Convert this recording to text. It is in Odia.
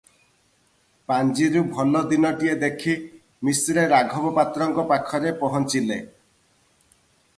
ପାଞ୍ଜିରୁ ଭଲ ଦିନଟିଏ ଦେଖି ମିଶ୍ରେ ରାଘବ ପାତ୍ରଙ୍କ ପାଖରେ ପହଞ୍ଚିଲେ ।